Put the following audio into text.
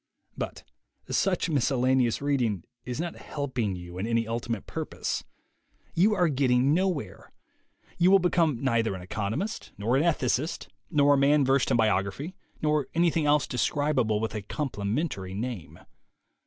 But such miscellaneous reading is not helping you in any ultimate purpose. You are getting no THE WAY TO WILL POWER 113 where. You will become neither an economist, nor an ethicist, nor a man versed in biography, nor anything else describable with a complimentary name.